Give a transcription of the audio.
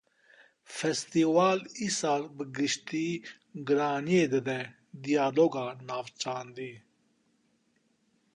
Festîval îsal bi giştî giraniyê dide diyaloga navçandî.